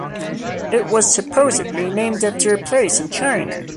It was supposedly named after a place in China.